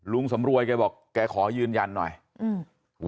ลุงสำรวยไว้บอกกัยขอยืนยันหน่อยอืม